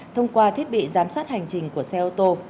thông qua thiết bị giám sát hành trình của xe ô tô